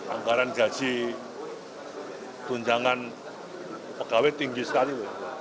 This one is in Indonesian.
anggaran gaji tunjangan pegawai tinggi sekali